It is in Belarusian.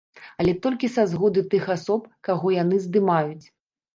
Але толькі са згоды тых асоб, каго яны здымаюць.